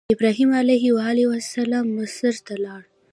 ابراهیم علیه السلام مصر ته لاړ.